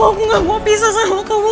aku gak mau pisah sama kamu